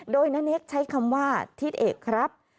โดยณเนคใช้คำว่าทิศเอกครับ